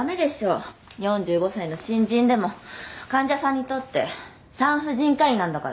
４５歳の新人でも患者さんにとって産婦人科医なんだから。